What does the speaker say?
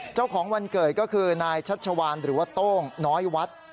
เจ้าของวันเกิดก็คือนายชัชวานหรือว่าโต้งน้อยวัด